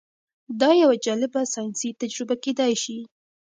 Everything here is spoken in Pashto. دا یوه جالبه ساینسي تجربه کیدی شي.